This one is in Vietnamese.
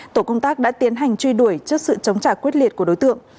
tổ công tác đã tiến hành truy đuổi trước sự chống trả quyết liệt của đối tượng